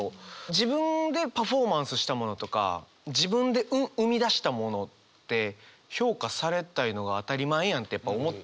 自分でパフォーマンスしたものとか自分で生み出したものって評価されたいのが当たり前やんって思ってしまう。